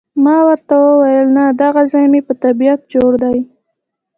ما ورته وویل، نه، دغه ځای مې په طبیعت جوړ دی.